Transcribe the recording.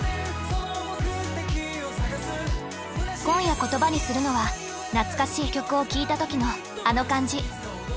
今夜言葉にするのは懐かしい曲を聞いたときのあの感じ。